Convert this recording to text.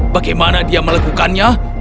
bagaimana dia melekukannya